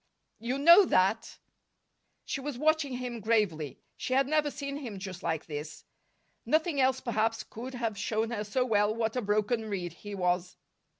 "You know that." She was watching him gravely. She had never seen him just like this. Nothing else, perhaps, could have shown her so well what a broken reed he was.